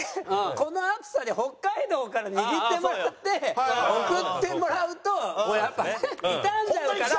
この暑さで北海道から握ってもらって送ってもらうとやっぱね傷んじゃうから。